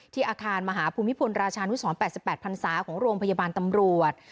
อาคารมหาภูมิพลราชานุสร๘๘พันศาของโรงพยาบาลตำรวจ